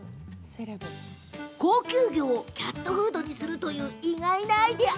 高級魚をキャットフードにするという意外なアイデア。